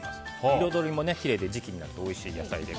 彩りもきれいで時期になるとおいしい野菜で。